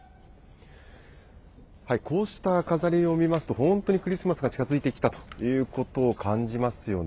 こうした飾りを見ますと、本当にクリスマスが近づいてきたということを感じますよね。